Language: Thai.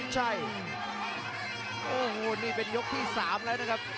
แชลเบียนชาวเล็ก